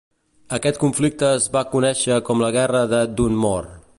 Aquest conflicte es va conèixer com la guerra de Dunmore.